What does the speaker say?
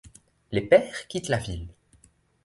Les pères quittent la ville.